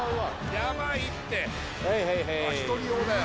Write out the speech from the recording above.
ヤバいって１人用だよ